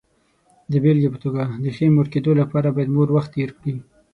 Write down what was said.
د بېلګې په توګه، د ښې مور کېدو لپاره باید مور وخت تېر کړي.